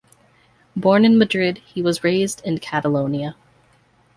Born in Madrid, he was raised in Catalonia.